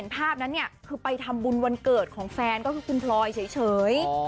ภาพนั้นเนี่ยคือไปทำบุญวันเกิดของแฟนก็คือคุณพลอยเฉย